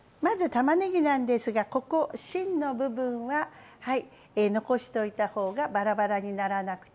まずたまねぎなんですがここ芯の部分は残しといた方がバラバラにならなくていいです。